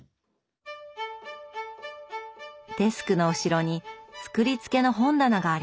デスクの後ろに作りつけの本棚があります。